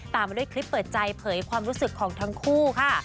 มาด้วยคลิปเปิดใจเผยความรู้สึกของทั้งคู่ค่ะ